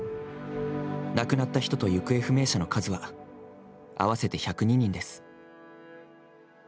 亡くなった人と行方不明者の数は合わせて１０２人です。